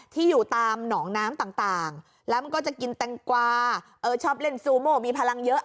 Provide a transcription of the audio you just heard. อยู่ตามหนองน้ำต่างแล้วมันก็จะกินแตงกวาชอบเล่นซูโม่มีพลังเยอะ